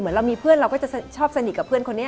เรามีเพื่อนเราก็จะชอบสนิทกับเพื่อนคนนี้